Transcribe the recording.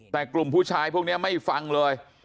แต่กลุ่มผู้ชายพวกนี้ไม่ฟังเลย